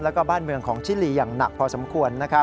แล้วก็บ้านเมืองของชิลีอย่างหนักพอสมควร